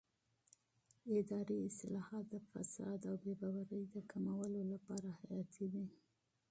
اداري اصلاحات د فساد او بې باورۍ د کمولو لپاره حیاتي دي